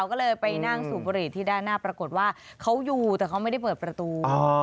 ก็เลยไปนั่งสูบบุหรี่ที่ด้านหน้าปรากฏว่าเขาอยู่แต่เขาไม่ได้เปิดประตู